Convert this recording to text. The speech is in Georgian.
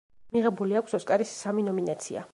მიღებული აქვს ოსკარის სამი ნომინაცია.